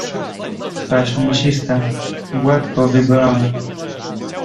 "twarz mięsista gładko- wygolona."